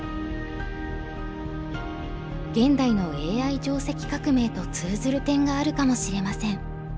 現代のＡＩ定石革命と通ずる点があるかもしれません。